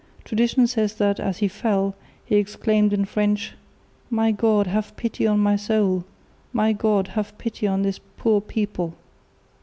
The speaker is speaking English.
Tradition says that, as he fell, he exclaimed in French: "My God, have pity on my soul! My God, have pity on this poor people!"